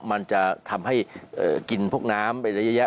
มันจะทำให้กินพวกน้ำไประยะ